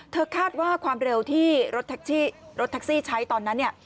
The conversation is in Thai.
เธอคาดว่าความเร็วที่รถแท็กซี่ใช้ตอนนั้น